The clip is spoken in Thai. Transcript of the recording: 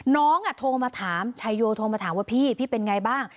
น้องโทรมาถามชายโยโทรมาถามว่าพี่พี่เป็นไงบ้าง